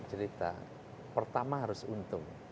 supaya kita bisa menjaga kesehatan perusahaan ini